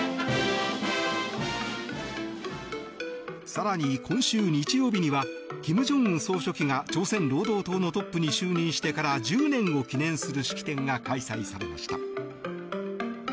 更に今週日曜日には金正恩総書記が朝鮮労働党のトップに就任してから１０年を記念する式典が開催されました。